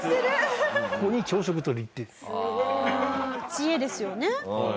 知恵ですよね。